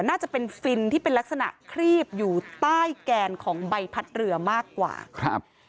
น่าจะเป็นฟินที่เป็นลักษณะครีบอยู่ใต้แกนของใบพัดเรือมากกว่าครับ